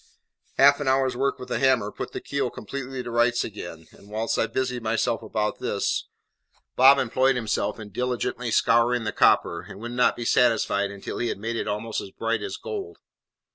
Half an hour's work with the hammer put the keel completely to rights again; and whilst I busied myself about this, Bob employed himself in diligently scouring the copper, and would not be satisfied until he had made it almost as bright as gold.